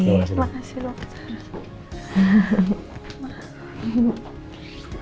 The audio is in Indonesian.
terima kasih dokter